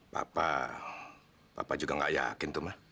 papa papa juga nggak yakin tuh ma